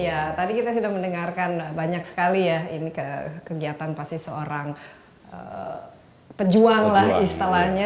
iya tadi kita sudah mendengarkan banyak sekali ya ini kegiatan pasti seorang pejuang lah istilahnya